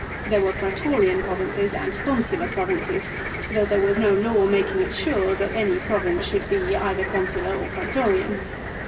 There were Praetorian provinces and Consular provinces, though there was no law making it sure that any province should HIS RETURN FROM EXILE. 29 be either Consular or Praetorian.